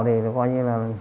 thì nó coi như là